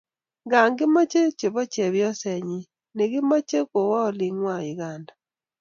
Nga kimochei chebo chepyosenyi nekimochei kowo olingwai Uganda